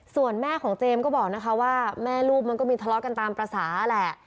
ส่วนแม่ของเจมส์ก็บอกนะคะว่าแม่ลูกมันก็มีทะเลาะกันตามภาษาแหละ